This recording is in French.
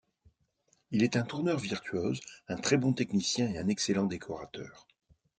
Il est un tourneur virtuose, un très bon technicien et un excellent décorateur.